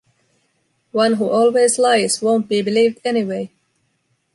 One who always lies won’t be believed anyway.